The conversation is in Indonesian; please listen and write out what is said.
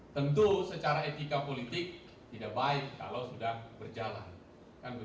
tentu secara etika politik tidak baik kalau sudah berjalan